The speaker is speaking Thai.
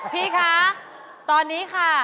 พี่คะตอนนี้ค่ะ